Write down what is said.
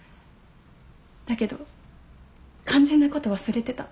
だけど肝心なこと忘れてた。